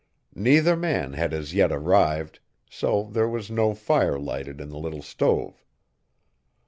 Neither man had as yet arrived, so there was no fire lighted in the little stove.